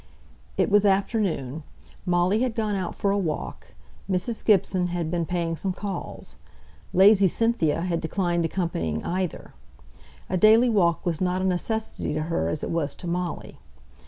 It was afternoon. Molly had gone out for a walk. Mrs. Gibson had been paying some calls. Lazy Cynthia had declined accompanying either. A daily walk was not a necessity to her as it was to Molly.